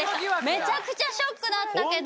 めちゃくちゃショックだったけど。